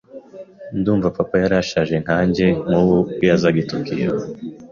Ndumva papa yari ashaje nkanjye nkubu ubwo yazaga i Tokiyo.